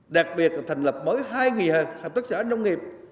đặc biệt là thành lập mới hai nghề hợp tác xã nông nghiệp